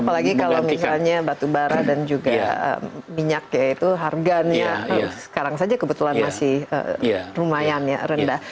apalagi kalau misalnya batu bara dan juga minyak ya itu harganya sekarang saja kebetulan masih lumayan ya rendah